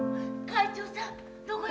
会長さん！